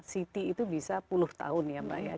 city itu bisa puluh tahun ya mbak ya